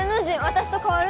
私と替わる？